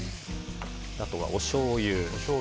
あとは、おしょうゆ。